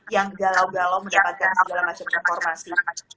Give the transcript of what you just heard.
yang galau galau mendapatkan segala macam informasi